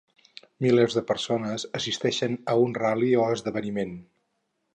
Milers de persones assisteixen a un ral·li o esdeveniment.